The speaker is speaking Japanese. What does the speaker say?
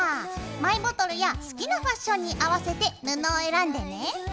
マイボトルや好きなファッションに合わせて布を選んでね。